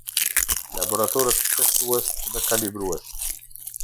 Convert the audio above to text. Laboratorët testues dhe kalibrues.